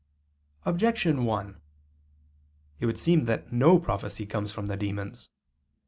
Objection 1: It would seem that no prophecy comes from the demons.